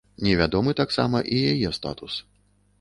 Невядомы таксама і яе статус.